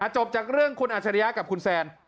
จบจากเรื่องคุณอัชริยะกับคุณแซน